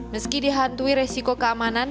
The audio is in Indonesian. meski dihantui resiko keamanan